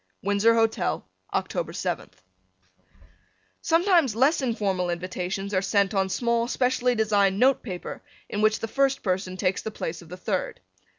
Windsor Hotel, October 7th, Sometimes less informal invitations are sent on small specially designed note paper in which the first person takes the place of the third.